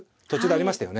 ありました。